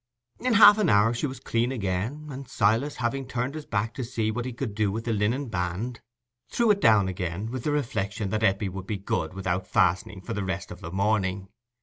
In half an hour she was clean again, and Silas having turned his back to see what he could do with the linen band, threw it down again, with the reflection that Eppie would be good without fastening for the rest of the morning.